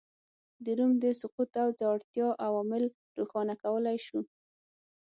د روم د سقوط او ځوړتیا عوامل روښانه کولای شو